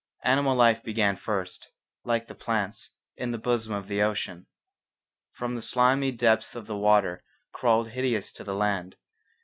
Animal life began first, like the plants, in the bosom of the ocean. From the slimy depths of the water life crawled hideous to the land.